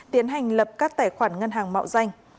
tiến hành lập các tài khoản ngân hàng mạo danh